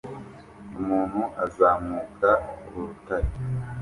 Umuntu azamuka urutare